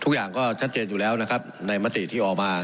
ทุกอย่างก็ชัดเจนอยู่แล้วนะครับในมติที่ออกมา